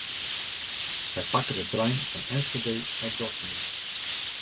Wy pakke de trein fan Enschede nei Dortmund.